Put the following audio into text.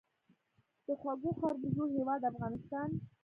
د خوږو خربوزو هیواد افغانستان.